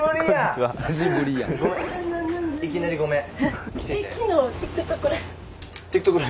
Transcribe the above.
いきなりごめん。